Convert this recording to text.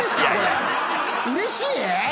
うれしい⁉